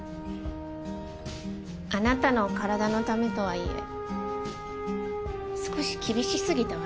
あなたの体のためとはいえ少し厳しすぎたわね。